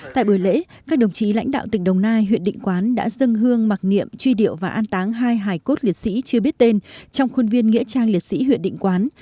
tại buổi lễ các đồng chí lãnh đạo tỉnh đồng nai huyện định quán đã dâng hương mặc niệm truy điệu và an táng hai hải cốt liệt sĩ chưa biết tên trong khuôn viên nghĩa trang liệt sĩ huyện định quán